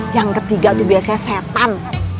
yang ketiga itu biasanya setan